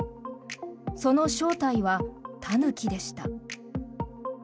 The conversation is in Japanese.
その正体はタヌキでした。